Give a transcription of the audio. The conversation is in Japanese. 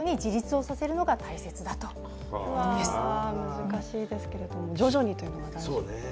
難しいですけれども、徐々にということですね。